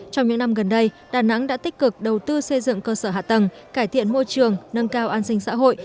trong những năm gần đây đà nẵng đã tích cực đầu tư xây dựng cơ sở hạ tầng cải thiện môi trường nâng cao an sinh xã hội